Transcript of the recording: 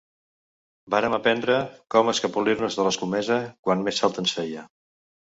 Vàrem aprendre com escapolir-nos de l’escomesa quan més falta ens feia.